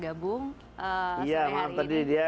gabung ya tadi dia